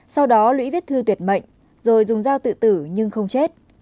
sau đó lũy viết thư tuyệt bệnh rồi dùng dao tự tử nhưng không chết